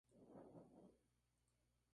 Las Naves